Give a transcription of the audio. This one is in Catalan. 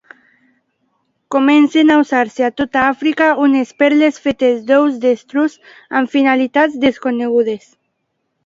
Comencen a usar-se a tota Àfrica unes perles fetes d'ous d'estruç amb finalitats desconegudes.